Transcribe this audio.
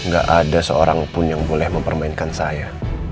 gak ada seorangpun yang boleh mempermainkan saya